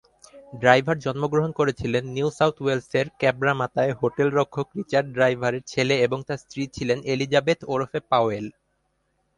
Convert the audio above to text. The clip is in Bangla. ড্রাইভার জন্মগ্রহণ করেছিলেন নিউ সাউথ ওয়েলসের ক্যাব্রামাতায়, হোটেল-রক্ষক রিচার্ড ড্রাইভারের ছেলে এবং তার স্ত্রী ছিলেন এলিজাবেথ ওরফে পাওয়েল।